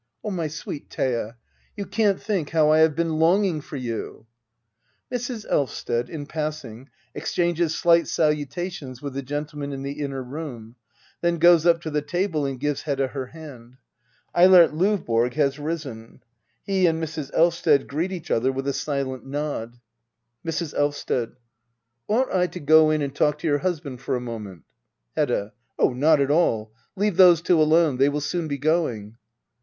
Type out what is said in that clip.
] My sweet Thea — you can't think how I have been longing for you ! [Mrs. Elvsted^ in passing, exchanges slight salutations with the gentlemen in the inner room, then goes up to the table and gives Hedda her hand, Eilert LavBORo has risen. He and Mrs. Elvsted greet each other with a silent nod, Mrs. Elvsted. Ought I to go in and talk to your husband for a moment } Hedda. Oh, not at all. Leave those two alone. They will soon be going.